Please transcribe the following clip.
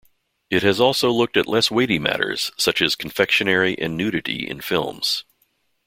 It has also looked at less-weighty matters such as confectionery and nudity in films.